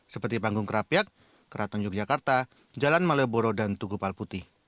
seperti panggung kerapiak keraton yogyakarta jalan malioboro dan tugu palputi